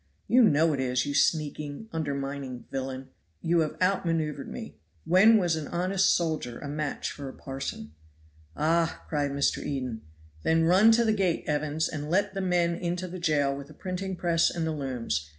"You know it is, you sneaking, undermining villain; you have weathered on me, you have out maneuvered me. When was an honest soldier a match for a parson?" "Ah!" cried Mr. Eden. "Then run to the gate, Evans, and let the men into the jail with the printing press and the looms.